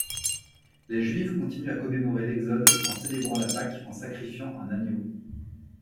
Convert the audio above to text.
Les juifs continuent à commémorer l'exode en célébrant la Pâque en sacrifiant un agneau.